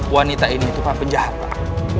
wanita ini itu pak penjahat pak